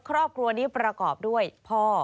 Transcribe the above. ครอบครัวนี้ประกอบด้วยพ่อ